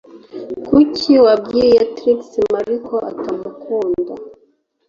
Kuki wabwiye Trix Mary ko atamukunda